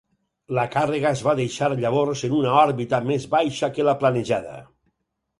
La càrrega es va deixar llavors en una òrbita més baixa que la planejada.